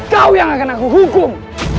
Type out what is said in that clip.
kau yang akan aku hukum